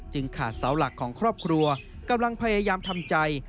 ขาดเสาหลักของครอบครัวกำลังพยายามทำใจ